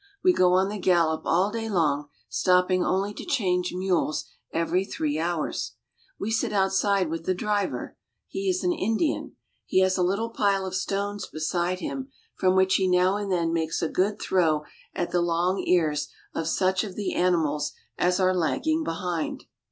We go on the gallop all day long, stopping only to change mules every three hours. We sit outside v^^ith the driver. He is an Indian. He has a little pile of stones beside him, from which he now and then makes a good throw at the long ears of such of the animals as are lagging behind.